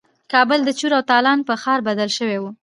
کابل د چور او تالان په ښار بدل شوی وو.